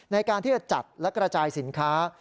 ในการที่จะจัดและกระจายสินค้า